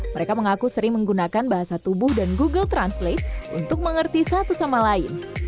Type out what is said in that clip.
mereka mengaku sering menggunakan bahasa tubuh dan google translate untuk mengerti satu sama lain